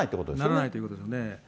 ならないということですね。